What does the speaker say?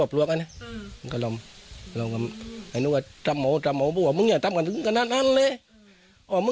พวกมันหลายไปห้าหนุ่มกันใช่ไหม